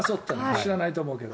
知らないと思うけど。